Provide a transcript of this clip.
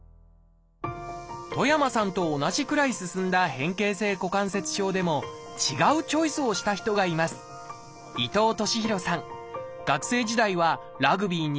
戸山さんと同じくらい進んだ変形性股関節症でも違うチョイスをした人がいます学生時代はラグビーに山登り